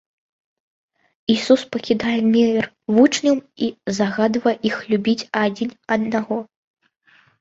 Ісус пакідае мір вучням і загадвае іх любіць адзін аднаго.